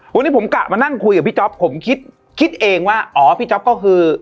วันนี้ผมกะมานั่งคุยกับพี่จ๊อปผมคิดคิดเองว่าอ๋อพี่จ๊อปก็คือ